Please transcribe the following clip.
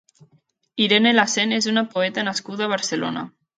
Irene La Sen és una poeta nascuda a Barcelona.